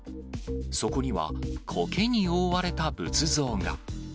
そこには、こけに覆われた仏像が。